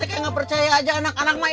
kayak gak percaya aja anak anak mah